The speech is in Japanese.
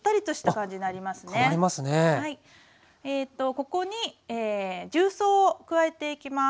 ここに重曹を加えていきます。